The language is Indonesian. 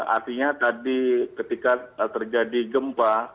artinya tadi ketika terjadi gempa